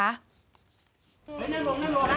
นั่งลงหน่อยน่ะค่ะ